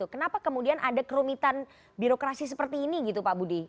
kenapa kemudian ada kerumitan birokrasi seperti ini gitu pak budi